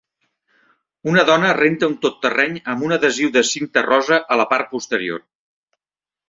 Una dona renta un tot terreny amb un adhesiu de cinta rosa a la part posterior.